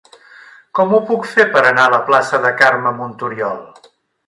Com ho puc fer per anar a la plaça de Carme Montoriol?